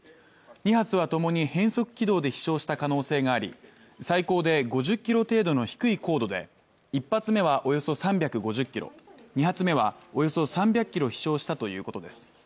２発はともに、変則軌道で飛しょうした可能性があり最高で５０ｋｍ程度の低い高度で、１発目はおよそ３５０ｋｍ２発目はおよそ３００ｋｍ飛翔したということです。